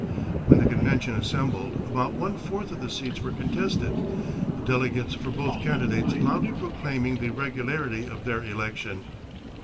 When the convention assembled, about one fourth of the seats were contested, the delegates for both candidates loudly proclaiming the regularity of their election.